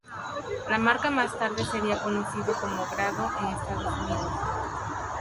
La marca más tarde sería conocido como "Grado" en Estados Unidos.